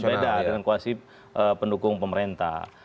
berbeda dengan koalisi pendukung pemerintah